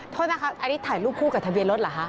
โทษนะคะอันนี้ถ่ายรูปคู่กับทะเบียนรถเหรอคะ